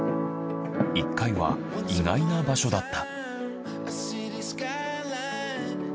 １階は意外な場所だった。